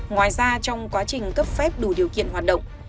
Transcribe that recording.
ngoài ra trong quá trình cấp phép đủ điều kiện hoạt động